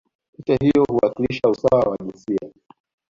picha hiyo huwakilisha usawa wa jinsia